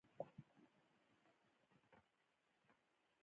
په ډېر کرار ږغ وویل.